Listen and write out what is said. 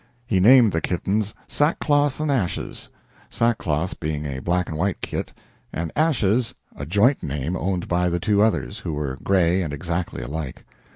He named the kittens Sackcloth and Ashes Sackcloth being a black and white kit, and Ashes a joint name owned by the two others, who were gray and exactly alike.